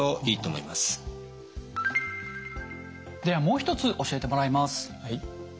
ではもう一つ教えてもらいます。